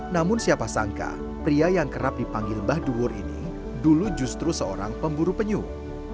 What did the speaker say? namun siapa sangka pria yang kerap dipanggil mbah duhur ini dulu justru seorang pemburu penyuh